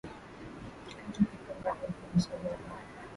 kata vipande viazi lishe vyako